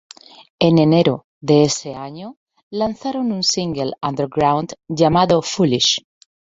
En Enero de ese año lanzaron un single underground llamado "Foolish".